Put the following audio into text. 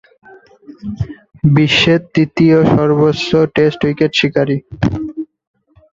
বিশ্বের তৃতীয় সর্বোচ্চ টেস্ট উইকেট শিকারী।